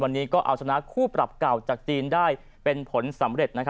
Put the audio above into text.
วันนี้ก็เอาสามารถสำนาบคือผู้ปรับเก่าจากจีนได้เป็นผลสำเร็จนะครับ